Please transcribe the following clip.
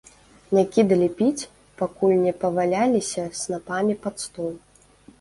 Не кідалі піць, пакуль не паваляліся снапамі пад стол.